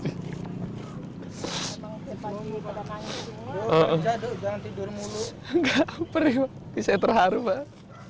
tidak pedih bisa terharu pak